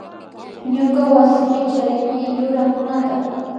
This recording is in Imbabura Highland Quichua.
Ñuka wasipi charini yurakunata